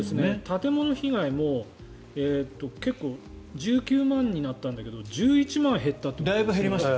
建物被害も１９万になったんだけど１１万減ったと。